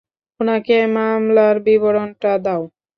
উনাকে মামলার বিবরণটা দাও।